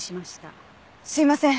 すいません